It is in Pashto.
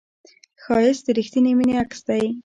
ښایست د رښتینې مینې عکس دی